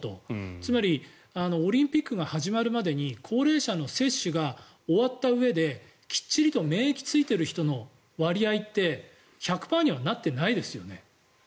つまりオリンピックが始まるまでに高齢者の接種が終わったうえできっちりと免疫ついている人の割合って１００％にはなってないですよね。